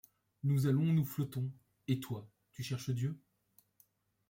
Nous allons, nous flottons. — Et toi, tu cherches Dieu ?